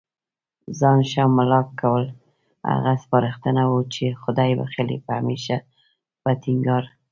ځان ښه مُلا کول، هغه سپارښتنه وه چي خدای بخښلي به هميشه په ټينګار